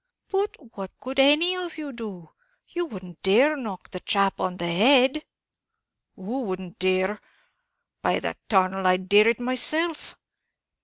"But what could any of you do? You wouldn't dare knock the chap on the head?" "Who wouldn't dare? by the 'tarnal, I'd dare it myself!